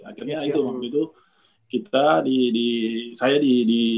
akhirnya itu waktu itu kita di saya di